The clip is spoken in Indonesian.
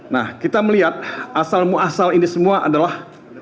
nah kita melihat asal muasal ini semua adalah